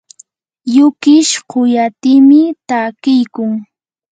yukish quyatimi takiykun.